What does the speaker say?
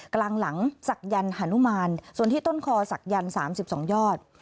กลางหลังศักยรรย์หานุมานส่วนที่ต้นคอศักยรรย์สามสิบสองยอด